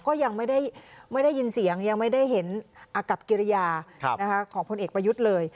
ก็ยังไม่ได้ยินเสียงยังไม่ได้เห็นอากับกิริยาของพลเอกประยุทธ์เลย